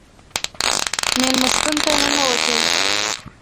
مېلمستون ته ننوتلو.